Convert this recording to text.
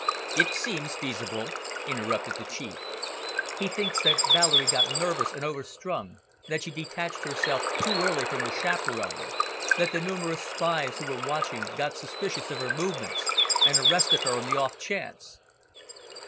"It seems feasible," interrupted the Chief. "He thinks that Valerie got nervous and overstrung, that she detached herself too early from her chaperon, that the numerous spies who were watching got suspicious of her movements, and arrested her on the off chance."